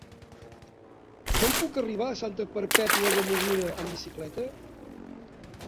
Com puc arribar a Santa Perpètua de Mogoda amb bicicleta?